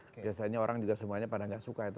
biasanya orang juga semuanya pada nggak suka itu